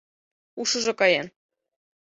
— Ушыжо каен.